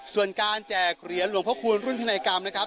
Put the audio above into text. ส่วนการแจกเหรียญหลวงพระคูณรุ่นพินัยกรรมนะครับ